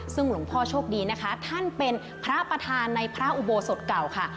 ซึ่งหลวงพ่อโชคดีนะคะท่านเป็นพระประธานในพระอุโบสถเก่าค่ะ